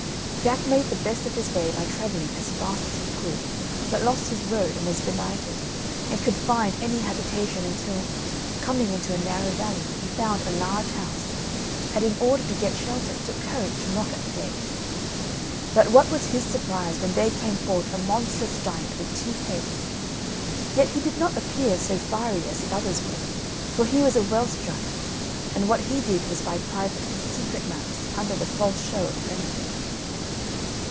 Jack made the best of his way by travelling as fast as he could, but lost his road, and was benighted, and could find any habitation until, coming into a narrow valley, he found a large house, and in order to get shelter took courage to knock at the gate. But what was his surprise when there came forth a monstrous giant with two heads; yet he did not appear so fiery as the others were, for he was a Welsh giant, and what he did was by private and secret malice under the false show of friendship.